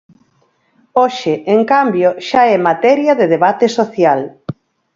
Hoxe en cambio xa é materia de debate social.